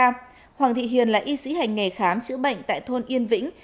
trước đó hoàng thị hiền là y sĩ hành nghề khám chữa bệnh tại thôn yên vĩnh